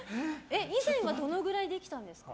以前はどのくらいできたんですか？